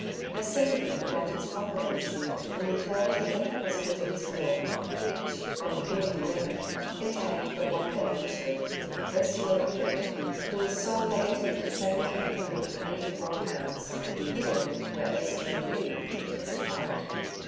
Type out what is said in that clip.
Her sympathy begot his confidence, and with her he had deposited his will, which, from beginning to end, contained but one beneficiary, Ursula Ewart, who was sole legatee to seventeen hundred and eighty four pounds (£1,784), hidden—where Ursula knew, he testified.